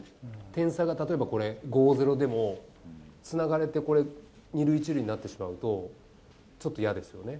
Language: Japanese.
点差が例えばこれ、５ー０でも、つながれて、これ、２塁１塁になってしまうと、ちょっと嫌ですよね。